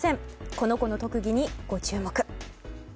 この子の特技に、ご注目。